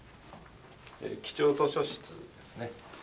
貴重図書室ですね。